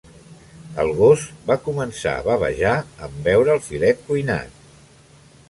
El gos va començar a bavejar en veure el filet cuinat.